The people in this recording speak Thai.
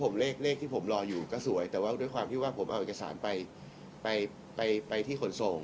ไม่ใช่เลยค่ะเพราะว่าเลขที่ผมรออยู่ก็สวยแต่ว่าด้วยความที่ว่าผมเอาเอกสารไปที่ขนส่ง